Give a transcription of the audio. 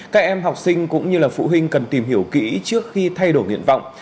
các em học sinh cũng như là phụ huynh cần tìm hiểu kỹ trước khi thay đổi nguyện vọng